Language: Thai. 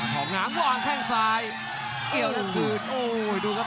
ของน้ำวางแข้งซ้ายเกี่ยวลงคืนโอ้ยดูครับ